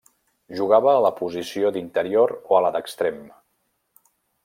Jugava a la posició d'interior o a la d'extrem.